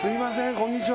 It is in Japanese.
こんにちは